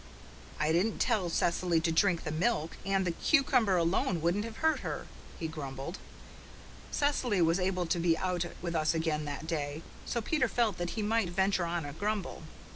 "I didn't tell Cecily to drink the milk, and the cucumber alone wouldn't have hurt her," he grumbled. Cecily was able to be out with us again that day, so Peter felt that he might venture on a grumble.